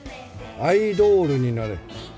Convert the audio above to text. アイドールになれ。